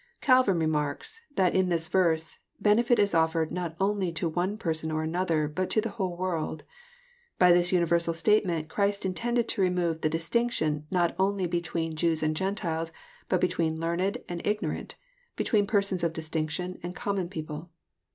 Calvin remarks, that in this verse *< Benefit is offered not only to one person or another, but to the whole world. By this universal statement Christ intended to remove the distinction, not only between Jews and Gentiles, but between learned and Ignorant, between persons of distinction and common people."